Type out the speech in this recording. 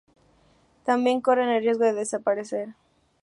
también corren el riesgo de desaparecer